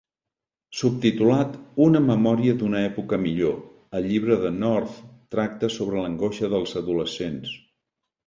Subtitulat "una memòria d'una època millor", el llibre de North tracta sobre l'angoixa dels adolescents.